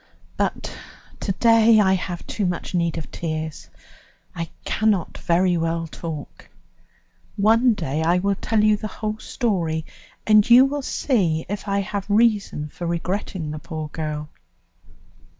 But to day I have too much need of tears; I can not very well talk. One day I will tell you the whole story, and you will see if I have reason for regretting the poor girl.